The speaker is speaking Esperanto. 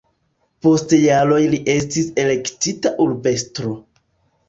Post jaroj li estis elektita urbestro.